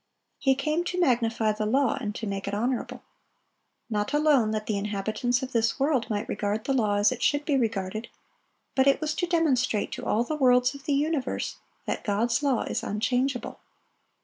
He came to "magnify the law" and to "make it honorable." Not alone that the inhabitants of this world might regard the law as it should be regarded; but it was to demonstrate to all the worlds of the universe that God's law is unchangeable.